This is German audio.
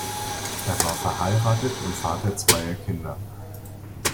Er war verheiratet und Vater zweier Kinder.